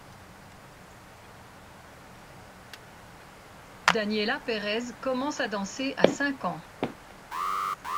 Daniella Perez commence à danser à cinq ans.